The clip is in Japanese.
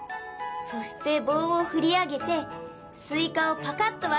そして棒を振り上げてスイカをパカッと割る。